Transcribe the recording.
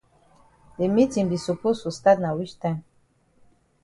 De meetin be suppose for stat na wich time.